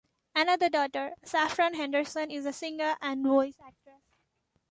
Another daughter, Saffron Henderson is a singer and voice actress.